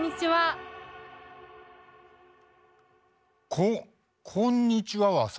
こ「こんにちは」はさ。